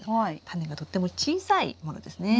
タネがとっても小さいものですね。